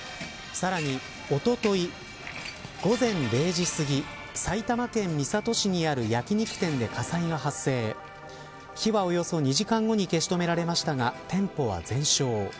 さらに、おととい午前０時すぎ埼玉県三郷市にある焼き肉店で火災が発生火はおよそ２時間後に消し止められましたが店舗は全焼。